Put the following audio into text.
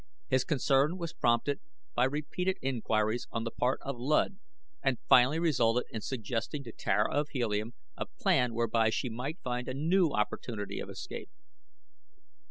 His concern was prompted by repeated inquiries on the part of Luud and finally resulted in suggesting to Tara of Helium a plan whereby she might find a new opportunity of escape.